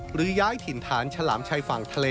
หรือย้ายถิ่นฐานฉลามชายฝั่งทะเล